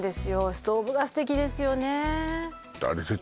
ストーブが素敵ですよねえ